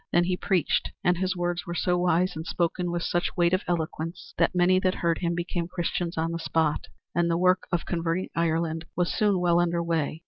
Then he preached, and his words were so wise and spoken with such weight of eloquence that many that heard him became Christians on the spot, and the work of converting Ireland was soon well under way.